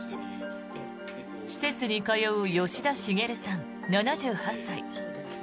施設に通う吉田茂さん、７８歳。